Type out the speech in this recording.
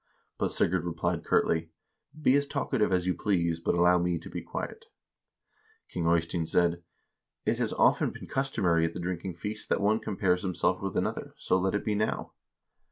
But Sigurd replied curtly :' Be as talkative as you please, but allow me to be quiet.' King Eystein said :' It has often been customary at the drinking feast that one compares himself with another, so let it be now.'